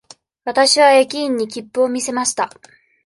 わたしは駅員に切符を見せました。